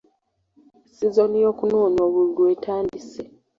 Sizoni y'okunoonya obululu etandise.